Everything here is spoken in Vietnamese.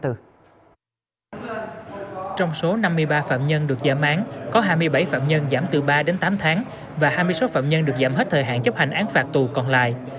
trong số năm mươi ba phạm nhân được giảm án có hai mươi bảy phạm nhân giảm từ ba đến tám tháng và hai mươi sáu phạm nhân được giảm hết thời hạn chấp hành án phạt tù còn lại